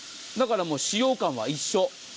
だから、使用感は一緒。